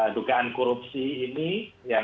dugaan korupsi ini yang